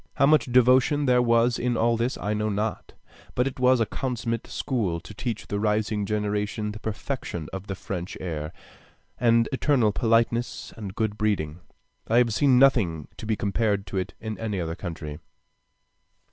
How much devotion there was in all this I know not, but it was a consummate school to teach the rising generation the perfection of the French air, and external politeness and good breeding. I have seen nothing to be compared to it in any other country....